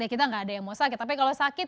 kita nggak ada yang mau sakit tapi kalau sakit